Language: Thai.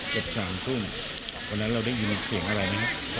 สามทุ่มวันนั้นเราได้ยินเสียงอะไรไหมครับ